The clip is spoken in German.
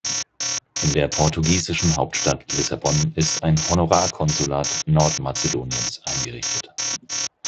In der portugiesischen Hauptstadt Lissabon ist ein Honorarkonsulat Nordmazedoniens eingerichtet.